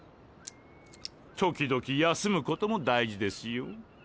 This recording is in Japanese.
時々休むことも大事デスヨ。